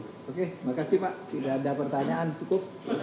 oke makasih pak tidak ada pertanyaan cukup